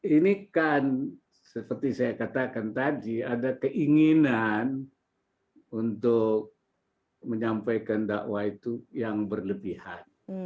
ini kan seperti saya katakan tadi ada keinginan untuk menyampaikan dakwah itu yang berlebihan